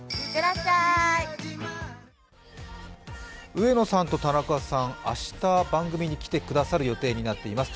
上野さんと田中さん、明日、番組に来てくださる予定になっています。